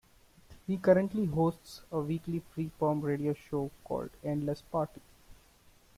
He currently hosts a weekly free form radio show called Endless Party!